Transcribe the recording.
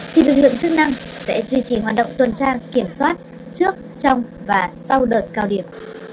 thì lực lượng chức năng sẽ duy trì hoạt động tuần tra kiểm soát trước trong và sau đợt cao điểm